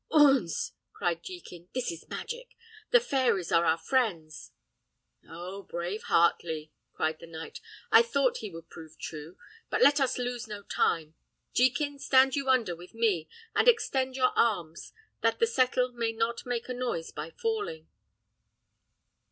"Oons!" cried Jekin, "this is magic. The fairies are our friends!" "Oh! brave Heartley," cried the knight; "I thought he would prove true. But let us lose no time. Jekin, stand you under with me, and extend your arms, that the settle may not make a noise by falling."